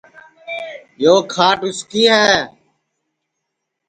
یو کھاٹ اُس کی ہے